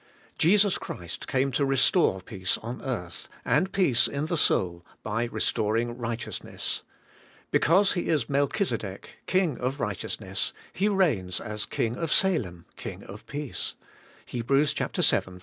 Jesus Christ came to restore peace on earth, and peace in the soul, by restoring righteousness. Because He 5 "66 ABIDE IN CHRIST: is Melchizedek, King of Eighteousness, He reigns as King of Salem, King of Peace {Hel, vii.